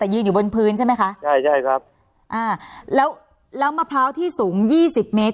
แต่ยืนอยู่บนพื้นใช่ไหมคะใช่ใช่ครับอ่าแล้วแล้วมะพร้าวที่สูงยี่สิบเมตร